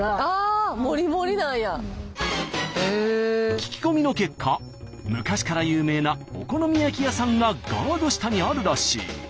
聞き込みの結果昔から有名なお好み焼き屋さんがガード下にあるらしい。